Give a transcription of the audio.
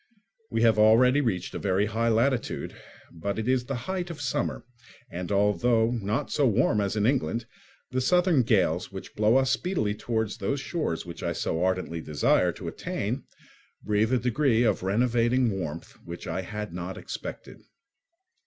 We have already reached a very high latitude; but it is the height of summer, and although not so warm as in England, the southern gales, which blow us speedily towards those shores which I so ardently desire to attain, breathe a degree of renovating warmth which I had not expected.